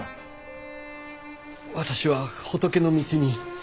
私は仏の道に。